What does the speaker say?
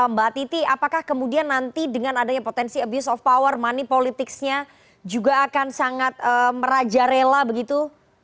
mbak titi apakah kemudian nanti dengan adanya potensi abuse of power money politicsnya juga akan sangat meraja rela begitu